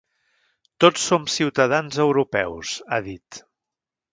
Tots som ciutadans europeus, ha dit.